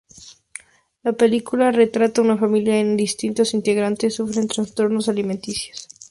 La película retrata a una familia en que distintos integrantes sufren trastornos alimenticios.